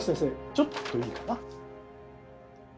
ちょっといいかな。